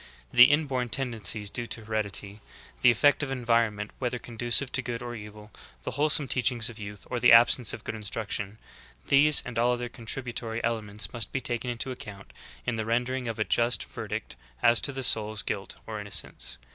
The inborn tendencies due to heredity, the ef fect of environment whether conducive to good or evil, the wholesome teachings of youth, or the absence of good in struction — these and all other contributory elements must be taken into account in the rendering of a just verdict as to the soul's guilt or innocence.